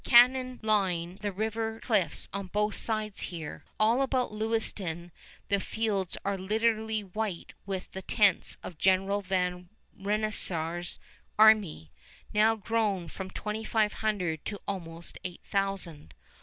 Cannon line the river cliffs on both sides here. All about Lewiston the fields are literally white with the tents of General Van Rensselaer's army, now grown from twenty five hundred to almost eight thousand.